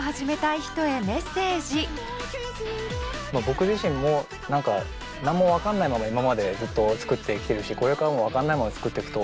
僕自身も何か何も分かんないまま今までずっと作ってきてるしこれからも分かんないものを作っていくと思います。